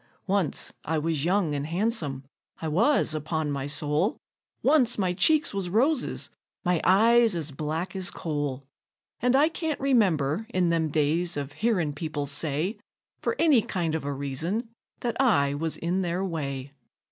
Once I was young an' han'some I was, upon my soul Once my cheeks was roses, my eyes as black as coal; And I can't remember, in them days, of hearin' people say, For any kind of a reason, that I was in their way.